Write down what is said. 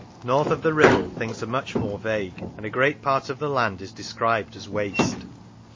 North of the Kibble things are much more vague, and a great part of the land is described as " waste."